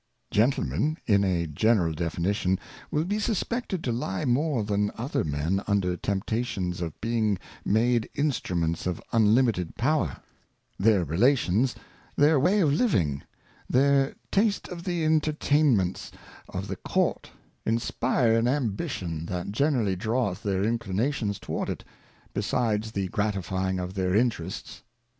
Gentlemen in a general Definition, wUl be suspected to lie more than other Men under the Tempta tions of being made Instruments of unlimited Power; their Relations, their Way of Living, their Tast of the Entertainments of 176 A Rough Draught of the Court, inspire an Ambition that generally draweth their Inclinations toward it, besides the gratifying of their Interests.